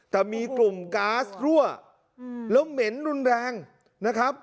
แต่มีกลุ่มก๊าซรั่วแล้วเหม็นรุนแรงนะครับ